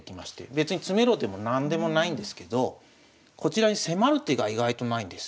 別に詰めろでも何でもないんですけどこちらに迫る手が意外とないんです。